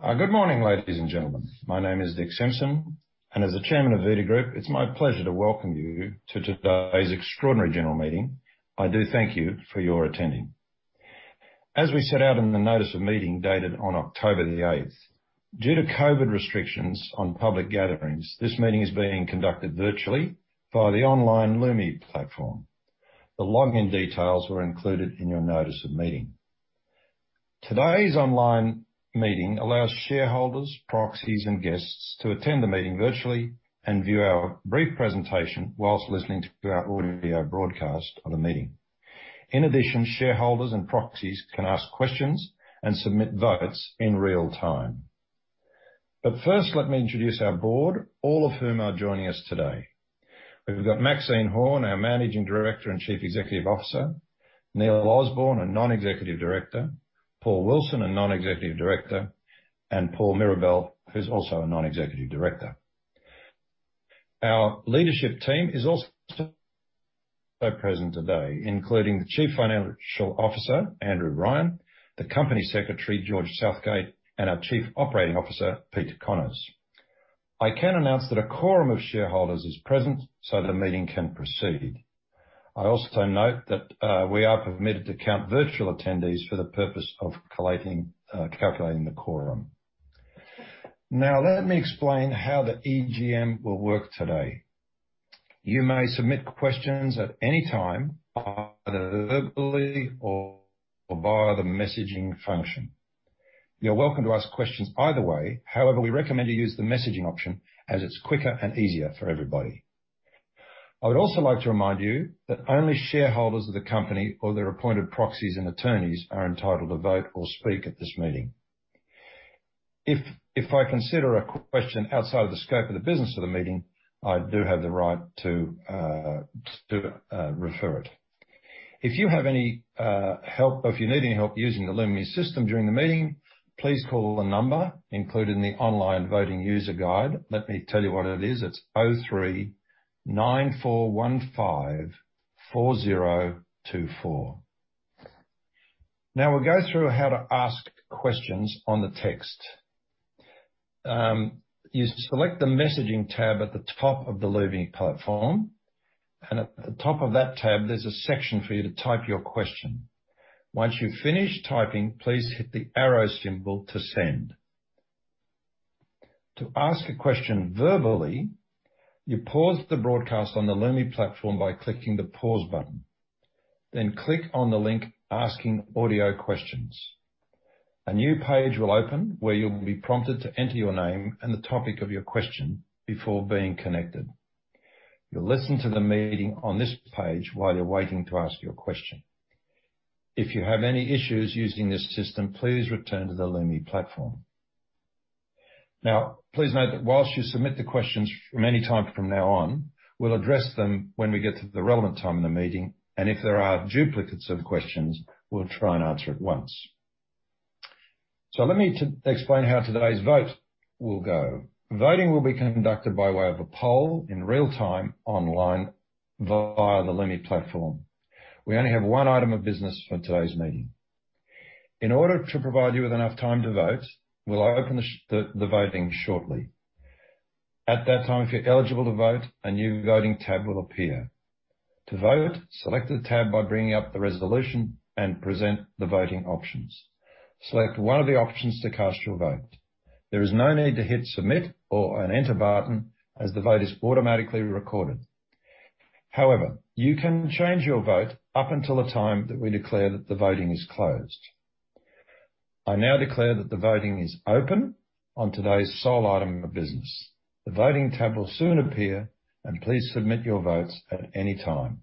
Good morning, ladies and gentlemen. My name is Dick Simpson, and as the Chairman of Vita Group, it's my pleasure to welcome you to today's Extraordinary General Meeting. I do thank you for your attending. As we set out in the notice of meeting dated on October the eighth, due to COVID restrictions on public gatherings, this meeting is being conducted virtually via the online Lumi platform. The login details were included in your notice of meeting. Today's online meeting allows shareholders, proxies, and guests to attend the meeting virtually and view our brief presentation while listening to our audio broadcast of the meeting. In addition, shareholders and proxies can ask questions and submit votes in real time. First, let me introduce our board, all of whom are joining us today. We've got Maxine Horne, our Managing Director and Chief Executive Officer. Neil Osborne, a Non-Executive Director. Paul Wilson, a Non-Executive Director, and Paul Mirabelle, who's also a Non-Executive Director. Our leadership team is also present today, including the Chief Financial Officer, Andrew Ryan, the Company Secretary, George Southgate, and our Chief Operating Officer, Peter Connors. I can announce that a quorum of shareholders is present so the meeting can proceed. I also note that we are permitted to count virtual attendees for the purpose of calculating the quorum. Now, let me explain how the EGM will work today. You may submit questions at any time, either verbally or via the messaging function. You're welcome to ask questions either way. However, we recommend you use the messaging option as it's quicker and easier for everybody. I would also like to remind you that only shareholders of the company or their appointed proxies and attorneys are entitled to vote or speak at this meeting. If I consider a question outside the scope of the business of the meeting, I do have the right to refer it. If you need any help using the Lumi system during the meeting, please call the number included in the online voting user guide. Let me tell you what it is. It's 03 9415 4024. Now we'll go through how to ask questions on the text. You select the messaging tab at the top of the Lumi platform, and at the top of that tab, there's a section for you to type your question. Once you've finished typing, please hit the arrow symbol to send. To ask a question verbally, you pause the broadcast on the Lumi platform by clicking the pause button, then click on the link Asking Audio Questions. A new page will open where you'll be prompted to enter your name and the topic of your question before being connected. You'll listen to the meeting on this page while you're waiting to ask your question. If you have any issues using this system, please return to the Lumi platform. Now, please note that while you submit the questions any time from now on, we'll address them when we get to the relevant time in the meeting, and if there are duplicates of questions, we'll try and answer it once. Let me explain how today's vote will go. Voting will be conducted by way of a poll in real time online via the Lumi platform. We only have one item of business for today's meeting. In order to provide you with enough time to vote, we'll open the voting shortly. At that time, if you're eligible to vote, a new voting tab will appear. To vote, select the tab by bringing up the resolution and present the voting options. Select one of the options to cast your vote. There is no need to hit Submit or an Enter button as the vote is automatically recorded. However, you can change your vote up until the time that we declare that the voting is closed. I now declare that the voting is open on today's sole item of business. The voting tab will soon appear, and please submit your votes at any time.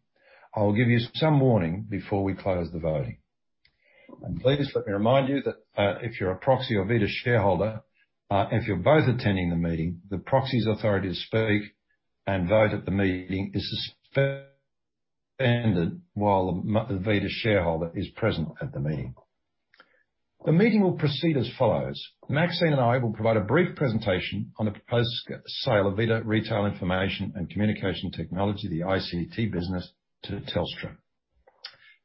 I will give you some warning before we close the voting. Please let me remind you that if you're a proxy or Vita shareholder, if you're both attending the meeting, the proxy's authority to speak and vote at the meeting is suspended while the Vita shareholder is present at the meeting. The meeting will proceed as follows. Maxine and I will provide a brief presentation on the proposed sale of Vita Retail Information and Communication Technology, the ICT business, to Telstra.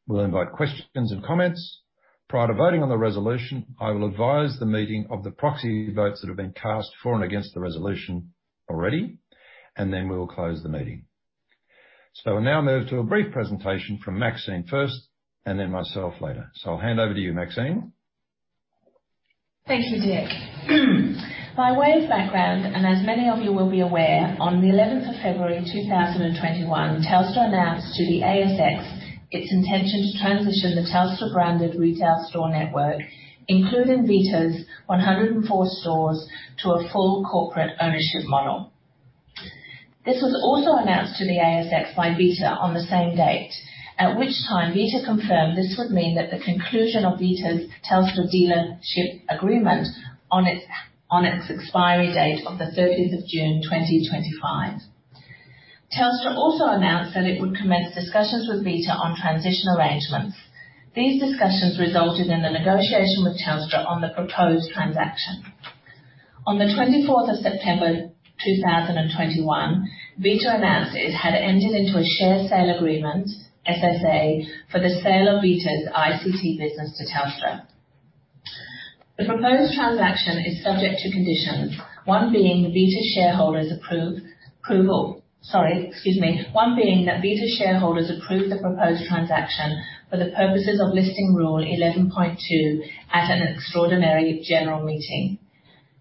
We'll invite questions and comments. Prior to voting on the resolution, I will advise the meeting of the proxy votes that have been cast for and against the resolution already, and then we will close the meeting. We'll now move to a brief presentation from Maxine first and then myself later. I'll hand over to you, Maxine. Thank you, Dick. By way of background, and as many of you will be aware, on the 11th of February 2021, Telstra announced to the ASX its intention to transition the Telstra branded retail store network, including Vita's 104 stores, to a full corporate ownership model. This was also announced to the ASX by Vita on the same date, at which time Vita confirmed this would mean that the conclusion of Vita's Telstra dealership agreement on its expiry date of the 13th of June 2025. Telstra also announced that it would commence discussions with Vita on transition arrangements. These discussions resulted in the negotiation with Telstra on the proposed transaction. On the 24th of September 2021, Vita announced it had entered into a share sale agreement, SSA, for the sale of Vita's ICT business to Telstra. The proposed transaction is subject to conditions. One being that Vita's shareholders approve the proposed transaction for the purposes of ASX Listing Rule 11.2 at an extraordinary general meeting.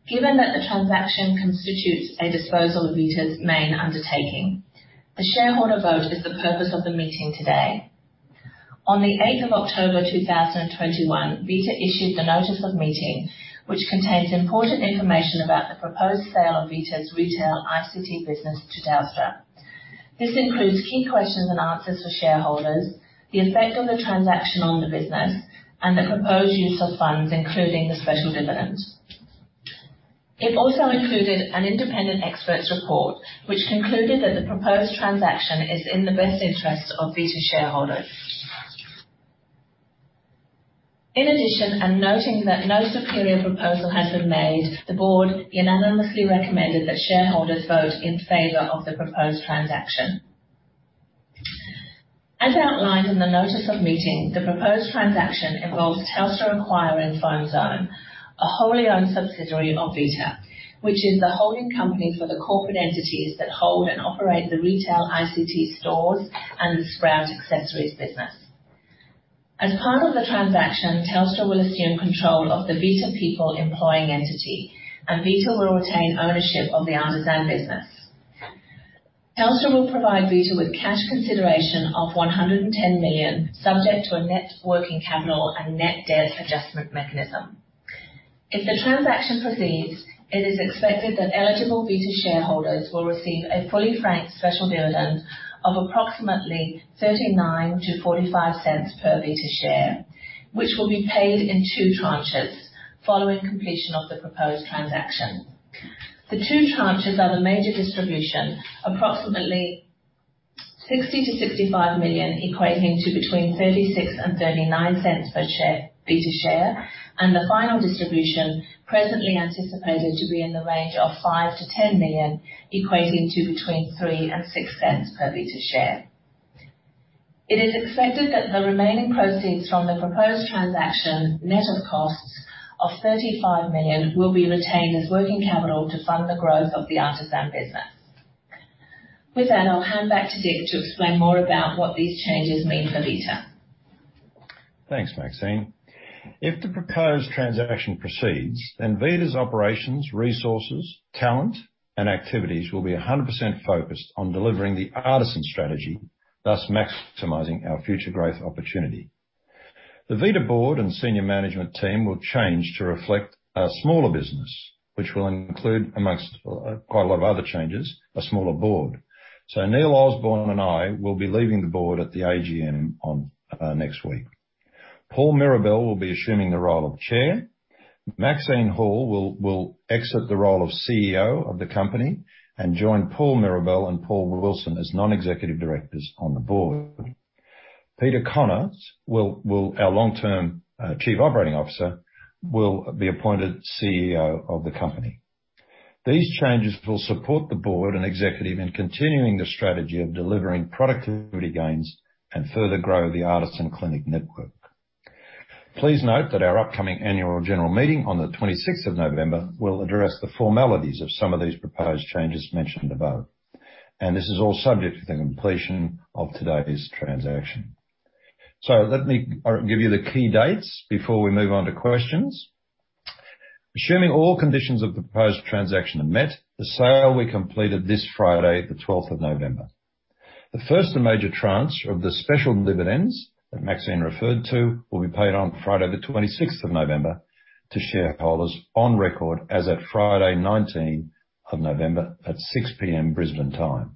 Given that the transaction constitutes a disposal of Vita's main undertaking, the shareholder vote is the purpose of the meeting today. On the 8th of October 2021, Vita issued the notice of meeting, which contains important information about the proposed sale of Vita's retail ICT business to Telstra. This includes key questions and answers for shareholders, the effect of the transaction on the business, and the proposed use of funds, including the special dividends. It also included an independent expert's report, which concluded that the proposed transaction is in the best interest of Vita shareholders. In addition, noting that no superior proposal has been made, the Board unanimously recommended that shareholders vote in favor of the proposed transaction. As outlined in the notice of meeting, the proposed transaction involves Telstra acquiring Fone Zone, a wholly owned subsidiary of Vita, which is the holding company for the corporate entities that hold and operate the retail ICT stores and Sprout accessories business. As part of the transaction, Telstra will assume control of the Vita people employing entity, and Vita will retain ownership of the Artisan business. Telstra will provide Vita with cash consideration of 110 million, subject to a net working capital and net debt adjustment mechanism. If the transaction proceeds, it is expected that eligible Vita shareholders will receive a fully franked special dividend of approximately 0.39-0.45 per Vita share, which will be paid in two tranches following completion of the proposed transaction. The two tranches are the major distribution, approximately 60 million-65 million, equating to between 0.36 and 0.39 per share, and the final distribution, presently anticipated to be in the range of 5 million-10 million, equating to between 0.03 and 0.06 per Vita share. It is expected that the remaining proceeds from the proposed transaction, net of costs of 35 million, will be retained as working capital to fund the growth of the Artisan business. With that, I'll hand back to Dick to explain more about what these changes mean for Vita. Thanks, Maxine. If the proposed transaction proceeds, then Vita's operations, resources, talent, and activities will be 100% focused on delivering the Artisan strategy, thus maximizing our future growth opportunity. The Vita board and senior management team will change to reflect a smaller business, which will include, among quite a lot of other changes, a smaller board. Neil Osborne and I will be leaving the board at the AGM on next week. Paul Mirabelle will be assuming the role of Chair. Maxine Horne will exit the role of CEO of the company and join Paul Mirabelle and Paul Wilson as Non-Executive Directors on the board. Peter Connors, our long-term Chief Operating Officer, will be appointed CEO of the company. These changes will support the board and executive in continuing the strategy of delivering productivity gains and further grow the Artisan clinic network. Please note that our upcoming annual general meeting on the 26th of November will address the formalities of some of these proposed changes mentioned above, and this is all subject to the completion of today's transaction. Let me give you the key dates before we move on to questions. Assuming all conditions of the proposed transaction are met, the sale will be completed this Friday, the 12th of November. The first and major tranche of the special dividends that Maxine referred to will be paid on Friday the 26th of November to shareholders on record as at Friday, 19th of November at 6 P.M. Brisbane time.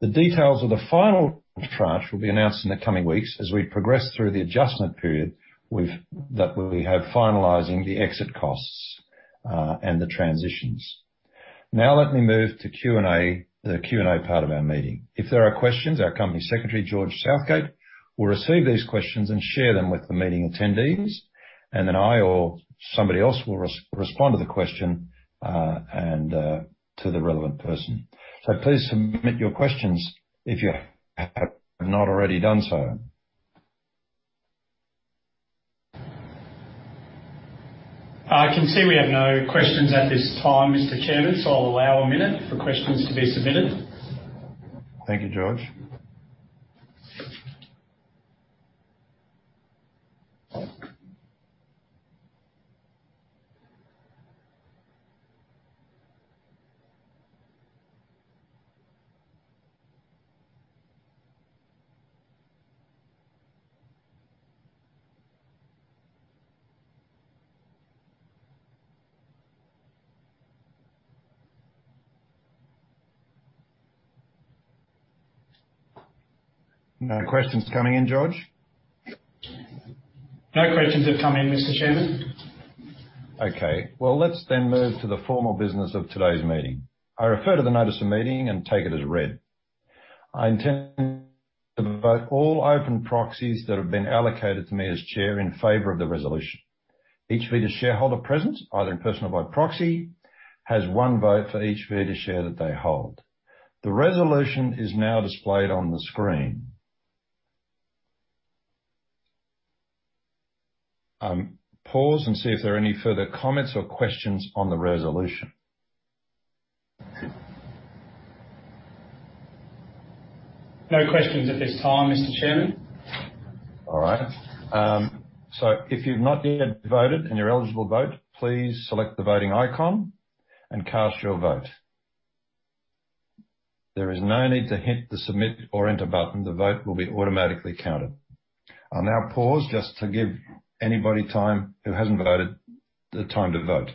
The details of the final tranche will be announced in the coming weeks as we progress through the adjustment period with the finalizing of the exit costs and the transitions. Now let me move to Q&A, the Q&A part of our meeting. If there are questions, our Company Secretary, George Southgate, will receive these questions and share them with the meeting attendees, and then I or somebody else will respond to the question, and to the relevant person. Please submit your questions if you have not already done so. I can see we have no questions at this time, Mr. Chairman, so I'll allow a minute for questions to be submitted. Thank you, George. No questions coming in, George? No questions have come in, Mr. Chairman. Okay. Well, let's then move to the formal business of today's meeting. I refer to the notice of meeting and take it as read. I intend to vote all open proxies that have been allocated to me as chair in favor of the resolution. Each Vita shareholder present, either in person or by proxy, has one vote for each Vita share that they hold. The resolution is now displayed on the screen. Pause and see if there are any further comments or questions on the resolution. No questions at this time, Mr. Chairman. All right. If you've not yet voted and you're eligible to vote, please select the voting icon and cast your vote. There is no need to hit the Submit or Enter button. The vote will be automatically counted. I'll now pause just to give anybody who hasn't voted time to vote.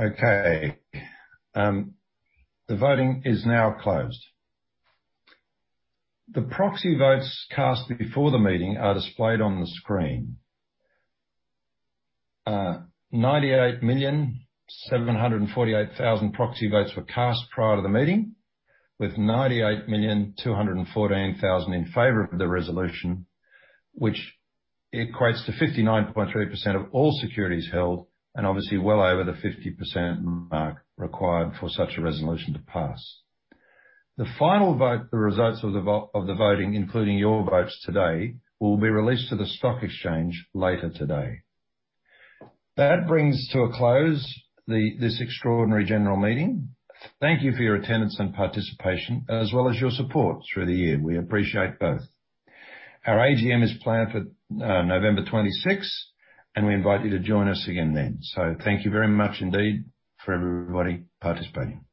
Okay. The voting is now closed. The proxy votes cast before the meeting are displayed on the screen. 98,748,000 proxy votes were cast prior to the meeting, with 98,214,000 in favor of the resolution, which equates to 59.3% of all securities held, and obviously well over the 50% mark required for such a resolution to pass. The final vote, the results of the voting, including your votes today, will be released to the stock exchange later today. That brings to a close this extraordinary general meeting. Thank you for your attendance and participation, as well as your support through the year. We appreciate both. Our AGM is planned for November 26th, and we invite you to join us again then. Thank you very much indeed for everybody participating.